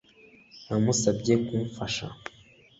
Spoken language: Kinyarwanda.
Namusabye kumfasha